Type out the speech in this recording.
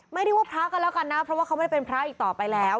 เรียกว่าพระกันแล้วกันนะเพราะว่าเขาไม่ได้เป็นพระอีกต่อไปแล้ว